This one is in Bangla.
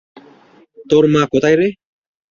তোর মা কোথায় রে?